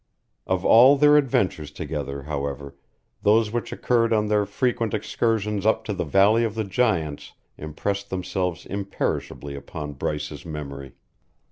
Of all their adventures together, however, those which occurred on their frequent excursions up to the Valley of the Giants impressed themselves imperishably upon Bryce's memory.